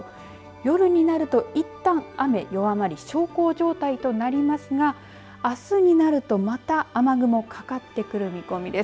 夜になると、いったん雨、弱まり小康状態となりますがあすになると、また雨雲、かかってくる見込みです。